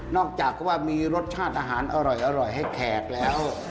จากว่ามีรสชาติอาหารอร่อยให้แขกแล้ว